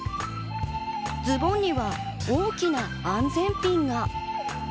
ズボンには大きな安全ピンが。